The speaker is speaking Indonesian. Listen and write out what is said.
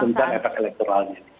tentang efek elektoralnya